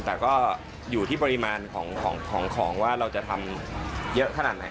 แต่ก็อยู่ที่ปริมาณของว่าเราจะทำเยอะขนาดไหน